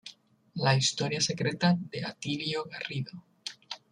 La historia secreta" de Atilio Garrido.